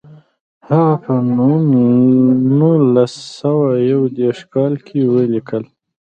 هغه په نولس سوه یو دېرش کال کې ولیکل.